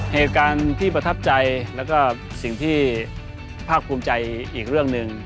เหตุการณ์ที่ประทับใจแล้วก็สิ่งที่ภาคภูมิใจอีกเรื่องหนึ่ง